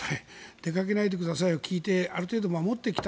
出かけないでくださいを聞いてある程度守ってきた。